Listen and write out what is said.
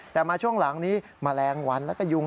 แต่มาช่วงหลังนี้แมลงวันแล้วก็ยุง